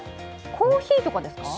コーヒーとかですか？